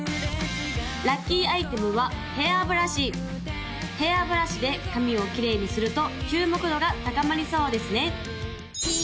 ・ラッキーアイテムはヘアブラシヘアブラシで髪をきれいにすると注目度が高まりそうですね